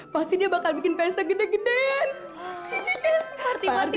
pasti dia bakal bikin pesta gede gede